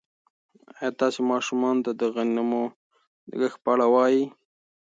ایا تاسي ماشومانو ته د غنمو د کښت په اړه وایئ؟